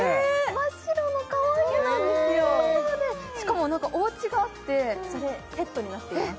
真っ白もかわいいフワフワでしかもなんかおうちがあってそれセットになっています